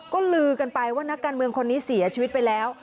ก็ลือกันไปว่านักการเมืองคนนี้เสียชีวิตไปแล้ว